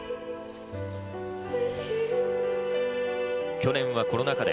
去年はコロナ禍で